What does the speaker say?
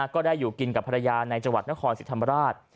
ก็ได้อยู่กินกับภรรยาในจังหวัดนครสิทธิ์ธรรมราช